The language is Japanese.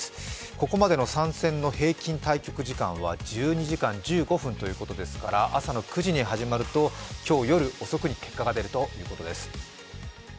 ここまでの３戦の平均対局時間は１２時間１５分ということですから、朝の９時に始まると今日夜遅くに結果が出るということです。